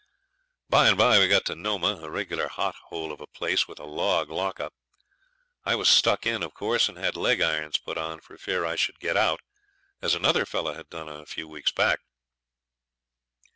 By and by we got to Nomah, a regular hot hole of a place, with a log lock up. I was stuck in, of course, and had leg irons put on for fear I should get out, as another fellow had done a few weeks back.